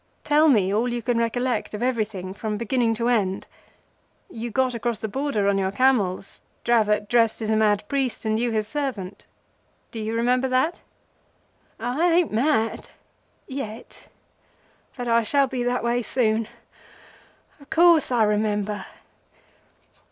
Tell me all you can recollect of everything from beginning to end. You got across the border on your camels, Dravot dressed as a mad priest and you his servant. Do you remember that?" "I ain't mad—yet, but I will be that way soon. Of course I remember.